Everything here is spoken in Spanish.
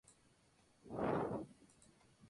El terreno es sedimentario, básicamente arcilloso.